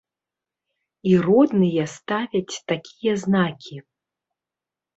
І родныя ставяць такія знакі.